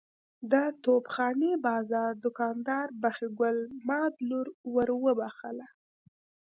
د توپ خانې بازار دوکاندار بخۍ ګل ماد لور ور وبخښله.